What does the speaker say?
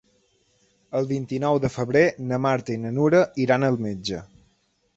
El vint-i-nou de febrer na Marta i na Nura iran al metge.